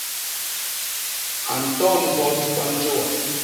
A nton mbot ba njôa.